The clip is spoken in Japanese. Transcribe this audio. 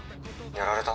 やられた？